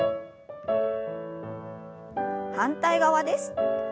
反対側です。